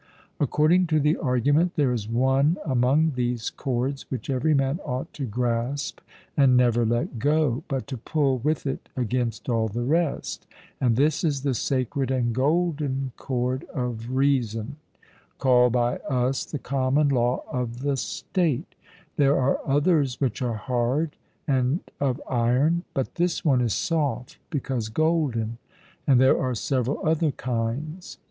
According to the argument there is one among these cords which every man ought to grasp and never let go, but to pull with it against all the rest; and this is the sacred and golden cord of reason, called by us the common law of the State; there are others which are hard and of iron, but this one is soft because golden; and there are several other kinds.